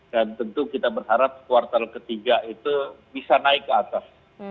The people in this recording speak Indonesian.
dan tentu kita berharap kuartal ketiga itu bisa naik ke atas